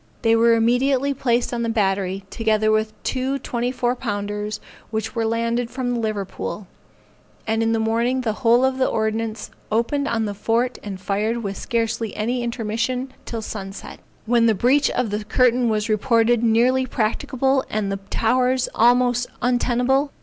They were immediately placed in the battery, together with two twenty four pounders which were landed from the Liverpool, and in the morning the whole of the ordnance opened on the fort and fired with scarcely any intermission till sunset, when the breach on the curtain was reported nearly practicable and the towers almost untenable.